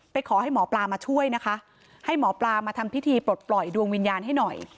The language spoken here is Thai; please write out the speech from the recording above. ขอให้หมอปลามาช่วยนะคะให้หมอปลามาทำพิธีปลดปล่อยดวงวิญญาณให้หน่อย